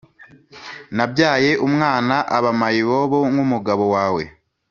Nabyaye umwana aba mayibobo nk'umugabo wawe.